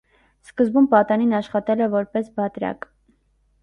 Սկզբում պատանին աշխատել է որպես բատրակ։